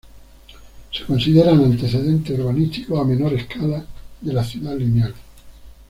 Se consideran antecedente urbanístico a menor escala, de la Ciudad Lineal.